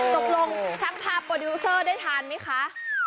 ตกลงชั้นพาโปรดิวเซอร์ได้ทานมั้ยคะ